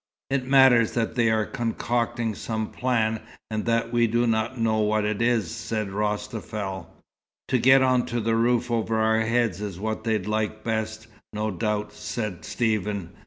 "It matters that they are concocting some plan, and that we do not know what it is," said Rostafel. "To get on to the roof over our heads is what they'd like best, no doubt," said Stephen.